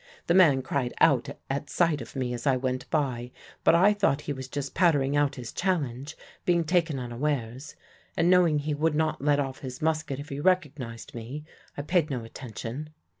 The man cried out at sight of me as I went by; but I thought he was just pattering out his challenge, being taken unawares; and knowing he would not let off his musket if he recognised me, I paid no attention.